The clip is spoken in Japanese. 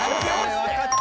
わかった。